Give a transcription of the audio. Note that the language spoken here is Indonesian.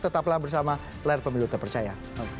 tetaplah bersama layar pemilu terpercaya